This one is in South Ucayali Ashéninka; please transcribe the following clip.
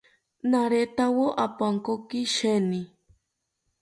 Naretawo opankoki sheeni